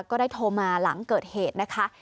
ก็ได้โทรมาหลังเกิดเหตุนะคะ